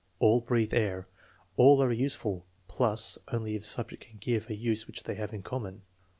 "All breathe air." "All are useful" (plus only if subject can give a use which they have in common).